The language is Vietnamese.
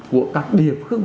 của các địa phương